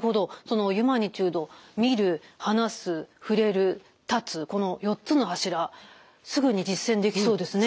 そのユマニチュード見る話す触れる立つこの４つの柱すぐに実践できそうですね。